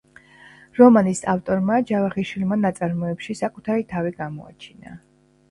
რომანის ავტორმა ჯავახიშვილმა ნაწარმოებში საკუთარი თავი გამოაჩინა.